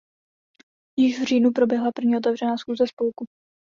Již v říjnu proběhla první otevřená schůze spolku.